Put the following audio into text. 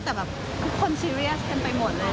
แต่แบบทุกคนเชียร์เยี่ยมไปหมดเลย